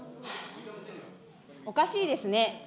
おかしいですね。